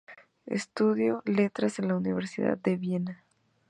Estudió letras en la Universidad de Viena.